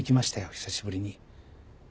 久しぶりに。